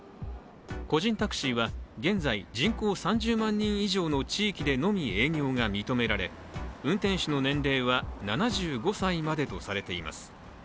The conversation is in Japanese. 個人タクシーは現在、人口３０万人以上の地域でのみ営業が認められ運転手の年齢は７５歳までとされています。